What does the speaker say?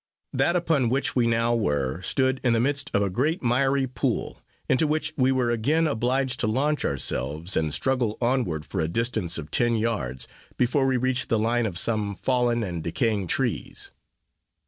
That upon which we now were, stood in the midst of a great miry pool, into which we were again obliged to launch ourselves, and struggle onward for a distance of ten yards, before we reached the line of some fallen and decaying trees.